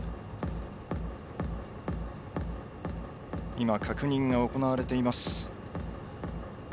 今、確認が行われています。